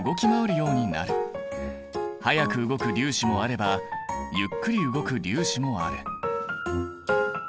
速く動く粒子もあればゆっくり動く粒子もある。